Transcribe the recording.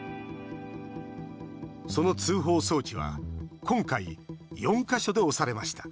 その通報装置は今回、４か所で押されました。